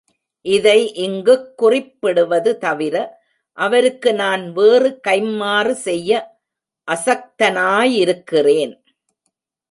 இதை இங்குக் குறிப்பிடுவது தவிர அவருக்கு நான் வேறு கைம்மாறு செய்ய அசக்தனாயிருக்கிறேன்.